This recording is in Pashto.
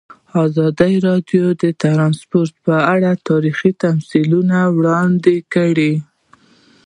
ازادي راډیو د ترانسپورټ په اړه تاریخي تمثیلونه وړاندې کړي.